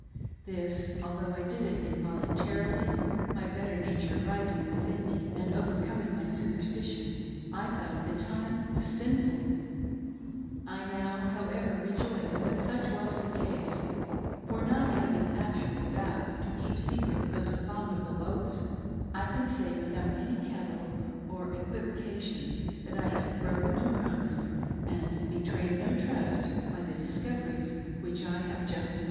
This, although I did it involuntarily — my better nature rising within me and overcoming my superstition — I thought at the time was sinfuL I now, however, rejoice that such was the case ; for not having actually vowed to keep secret those abominable oathSj I can say, without any cavil or equivocation, that I have broken no promise and betrayed no trust by the discoveries which I have just made.